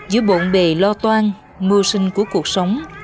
giữa bộn bề lo toan mưu sinh của cuộc sống